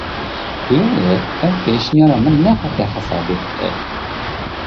Xuya ye ev pêşniyara min nehate hesabê te.